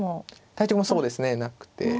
対局もそうですねなくて。